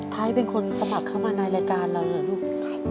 ไทยเป็นคนสมัครเข้ามาในรายการเราเหรอลูก